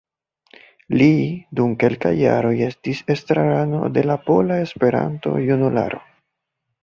Li dum kelkaj jaroj estis estrarano de la Pola Esperanto-Junularo.